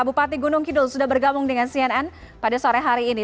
bupati gunung kidul sudah bergabung dengan cnn pada sore hari ini